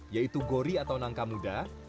yaitu gori atau nangka muda